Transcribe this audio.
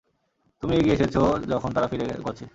তুমি এগিয়ে এসেছো যখন তারা ফিরে গছে।